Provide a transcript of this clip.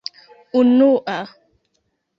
unua